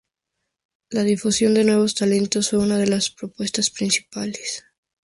La difusión de nuevos talentos fue una de las propuestas principales.